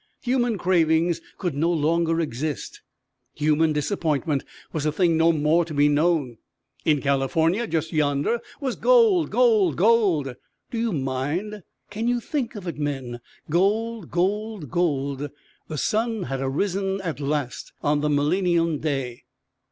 Human cravings could no longer exist. Human disappointment was a thing no more to be known. In California, just yonder, was gold, gold, gold! Do you mind can you think of it, men? Gold, gold, gold! The sun had arisen at last on the millennial day!